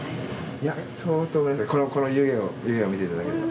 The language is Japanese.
いや相当この湯気を見ていただければ。